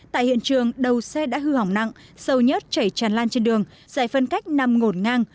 tại hiện trường đầu xe đã hư hỏng nặng sâu nhất chảy tràn lan trên đường dài phân cách nằm ngổn ngang